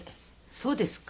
そうですか？